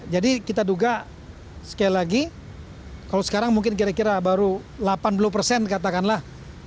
jadi kita duga sekali lagi kalau sekarang mungkin kira kira baru delapan puluh persen katakanlah